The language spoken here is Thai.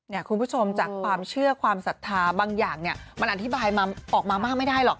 คุณผู้ชมจากความเชื่อความศรัทธาบางอย่างเนี่ยมันอธิบายมาออกมามากไม่ได้หรอก